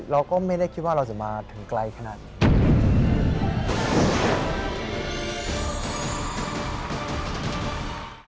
เราก็ไม่ได้คิดว่าเราจะมาถึงไกลขนาดนี้